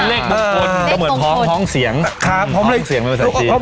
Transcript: เอาเป็นว่าเป็นเลขบุคคล